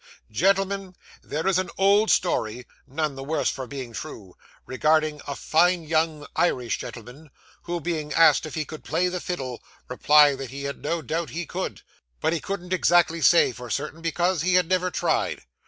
'Gentlemen, there is an old story none the worse for being true regarding a fine young Irish gentleman, who being asked if he could play the fiddle, replied he had no doubt he could, but he couldn't exactly say, for certain, because he had never tried.